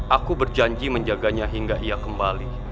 aku berjanji menjaganya hingga ia kembali